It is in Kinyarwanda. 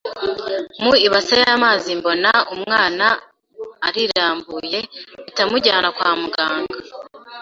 mu ibase y’amazi mbona umwana arirambuye mpita mujyana kwa muganga,